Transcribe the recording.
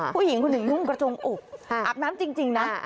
ผู้หญิงคนหนึ่งนุ่งกระจงอกอาบน้ำจริงนะ